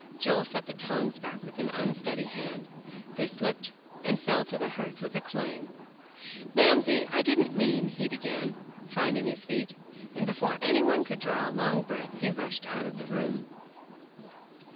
Joel set the tongs back with an unsteady hand. They slipped and fell to the hearth with a clang. "Mamsie, I didn't mean," he began, finding his feet. And before any one could draw a long breath, he rushed out of the room.